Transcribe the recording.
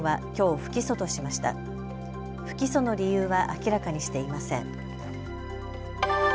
不起訴の理由は明らかにしていません。